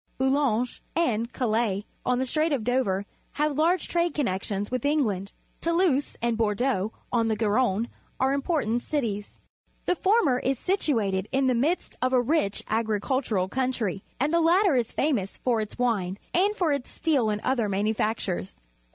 Boulogne and Calais on the Strait of Dover have large trade connections with England. Toulouse and Bordeaux on the Garonne are important cities. The former is situated in the midst of a rich agricultural countrj', and the latter is famous for its \\ ine and for its steel and other manufactures.